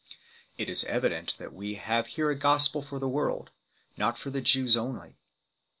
It is evident that we have here a Gospel for the world, not for the Jews only.